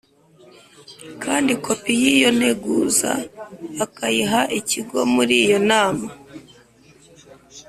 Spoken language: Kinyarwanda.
kandi kopi y iyo nteguza akayiha Ikigo Muri iyo nama